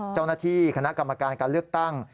เจ้าหน้าที่คณะกรรมการการเลือกตั้ง